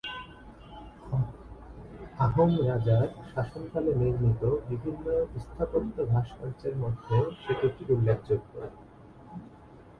আহোম রাজার শাসনকালে নির্মিত বিভিন্ন স্থাপত্য-ভাস্কর্যের মধ্যে সেতুটি উল্লেখযোগ্য।